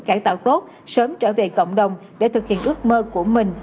cải tạo tốt sớm trở về cộng đồng để thực hiện ước mơ của mình